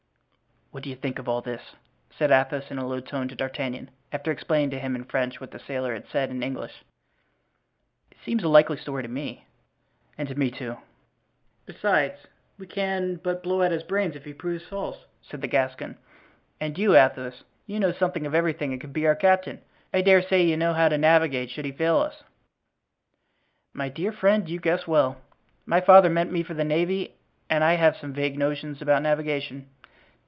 "What do you think of all this?" said Athos, in a low tone to D'Artagnan, after explaining to him in French what the sailor had said in English. "It seems a likely story to me." "And to me, too." "Besides, we can but blow out his brains if he proves false," said the Gascon; "and you, Athos, you know something of everything and can be our captain. I dare say you know how to navigate, should he fail us." "My dear friend, you guess well. My father meant me for the navy and I have some vague notions about navigation."